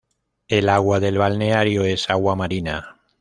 El agua del balneario es agua marina.